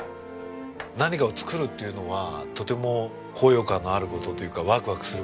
何かを作るっていうのはとても高揚感のある事というかワクワクする事で。